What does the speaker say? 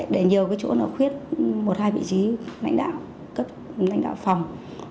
để nhiều chỗ khuyết một hai vị trí lãnh đạo cấp lãnh đạo phòng